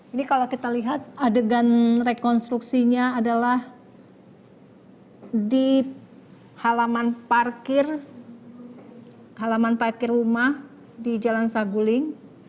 ini kalau kita lihat adegan rekonstruksinya adalah di halaman parkir halaman parkir rumah di jalan saguling